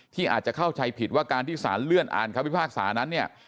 ที่อาจจะเข้าใจผิดว่าการที่สารเลื่อนอ่านคำพิพากษานั้นเนี่ย